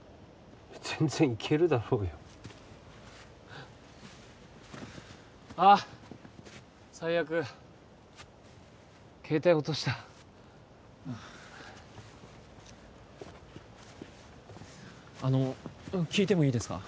全然いけるだろうよあっ最悪携帯落としたあの聞いてもいいですか？